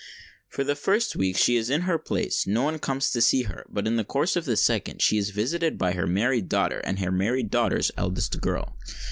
For the first week she is in her place, no one comes to see her; but in the course of the second, she is visited by her married daughter and her married daughter's eldest girl.